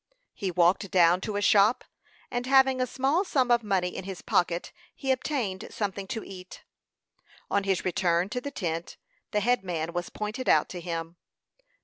He walked down to a shop, and having a small sum of money in his pocket, he obtained something to eat. On his return to the tent, the head man was pointed out to him.